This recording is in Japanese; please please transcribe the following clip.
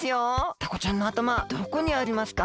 タコちゃんのあたまはどこにありますか？